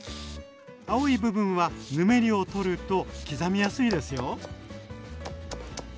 青い部分はぬめりを取ると刻みやすいですよ。